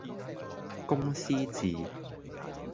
公司治